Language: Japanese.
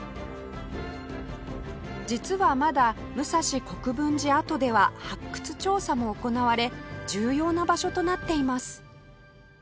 実はまだ武蔵国分寺跡では発掘調査も行われ重要な場所となっています